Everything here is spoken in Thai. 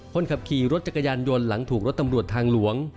คนขับขี่รถจักรยานยนต์หลังถูกรถตำรวจทางหลวง